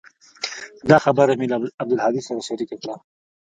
دا خبره مې له عبدالهادي سره شريکه کړه.